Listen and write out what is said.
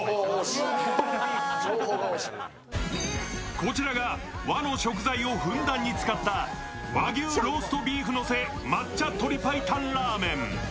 こちらが和の食材をふんだんに使った、和牛ローストビーフのせ抹茶鶏白湯ラーメン。